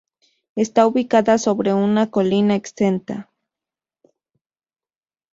Está ubicada sobre una colina, exenta.